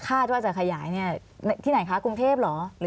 คาดว่าจะขยายที่ไหนคะกรุงเทพเหรอ